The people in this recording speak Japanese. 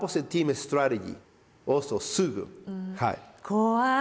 怖い！